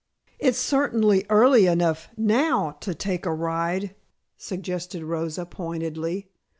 "It's certainly early enough now to take a drive," Suggested Rosa, pointedly.